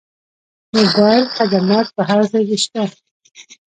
موبایل خدمات په هر ځای کې شته.